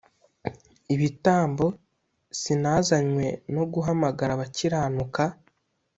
ibitambo sinazanywe no guhamagara abakiranuka